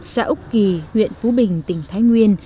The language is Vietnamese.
xã úc kỳ huyện phú bình tỉnh thái nguyên